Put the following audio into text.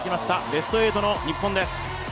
ベスト８の日本です。